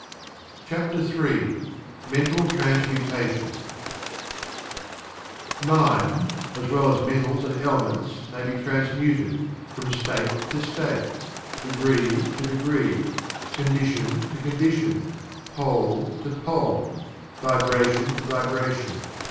CHAPTER III MENTAL TRANSMUTATION "Mind (as well as metals and elements) may be transmuted, from state to state; degree to degree; condition to condition; pole to pole; vibration to vibration.